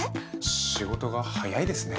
仕事が早いですね。